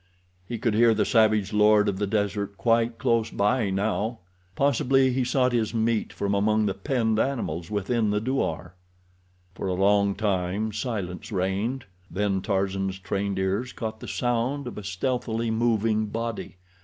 He could hear the savage lord of the desert quite close by now. Possibly he sought his meat from among the penned animals within the douar. For a long time silence reigned, then Tarzan's trained ears caught the sound of a stealthily moving body.